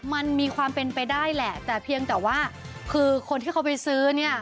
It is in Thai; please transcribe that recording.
มันมีความเป็นไปได้แหละแต่เพียงแต่ว่าคือคนที่เขาไปซื้อเนี่ย